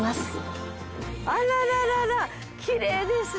あららららきれいですね。